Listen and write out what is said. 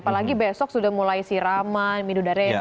apalagi besok sudah mulai siraman minum darenda